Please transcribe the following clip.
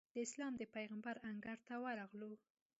د اسلام د پېغمبر انګړ ته ورغلو.